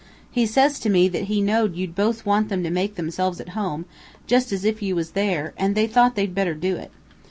He says to me that he know'd you'd both want them to make themselves at home, just as if you was there, and they thought they'd better do it.